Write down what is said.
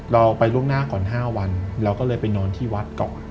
เราไปล่วงหน้าก่อน๕วันเราก็เลยไปนอนที่วัดก่อน